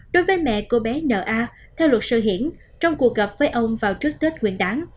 đối với mẹ cô bé n a theo luật sư hiển trong cuộc gặp với ông vào trước tết quyền đáng